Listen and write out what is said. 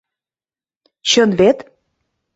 Чын вет?